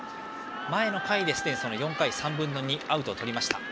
前の回ですでに４回３分の２アウトをとりました。